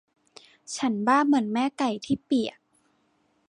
ฉันบ้าเหมือนแม่ไก่ที่เปียก